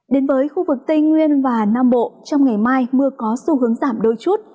đến với khu vực tây nguyên và nam bộ trong ngày mai mưa có xu hướng giảm đôi chút